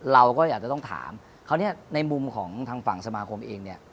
เราก็อยากจะต้องถามคราวนี้ในมุมของทางฝั่งสมาคมเองเนี่ย